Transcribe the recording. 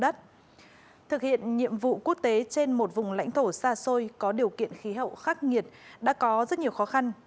thực hiện nhiệm vụ quốc tế trên một vùng lãnh thổ xa xôi có điều kiện khí hậu khắc nghiệt đã có rất nhiều khó khăn